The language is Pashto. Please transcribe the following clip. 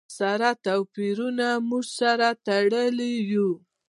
سره توپیرونو موږ سره تړلي یو.